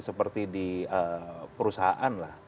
seperti di perusahaan